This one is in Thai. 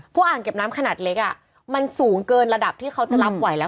อ่างเก็บน้ำขนาดเล็กมันสูงเกินระดับที่เขาจะรับไหวแล้ว